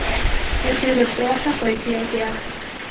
Escribe prosa, poesía y teatro.